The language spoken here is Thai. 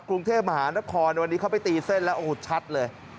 กรุงเทพมหานครวันนี้เขาไปตีเส้นแล้วโอ้โหชัดเลย